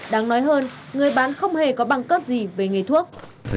đáng nói hơn người bán không hề có bằng cấp gì về nghề thuốc